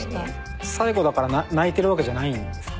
最後だから泣いてるわけじゃないんですか？